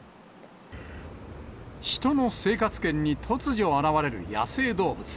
人の生活圏に突如現れる野生動物。